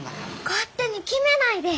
勝手に決めないで。